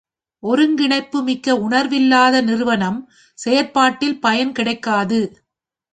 ஒருங்கிணைப்பு மிக்க உணர்வு இல்லாத நிறுவனம் செயற்பாட்டில் பயன் கிடைக்காது.